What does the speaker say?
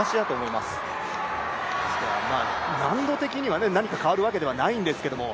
ですから難度的には何か変わるわけではないんですけども。